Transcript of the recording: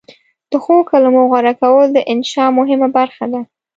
د ښو کلمو غوره کول د انشأ مهمه برخه ده.